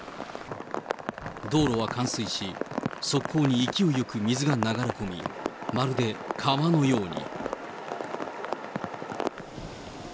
道路は冠水し、側溝に勢いよく水が流れ込み、まるで川のように。